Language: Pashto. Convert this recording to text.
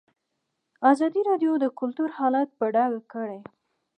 ازادي راډیو د کلتور حالت په ډاګه کړی.